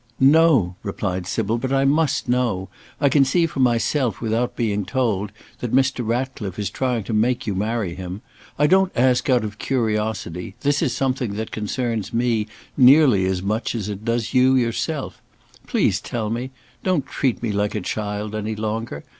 "No!" replied Sybil; "but I must know; I can see for myself without being told, that Mr. Racliffe is trying to make you marry him. I don't ask out of curiosity; this is something that concerns me nearly as much as it does you yourself. Please tell me! don't treat me like a child any longer!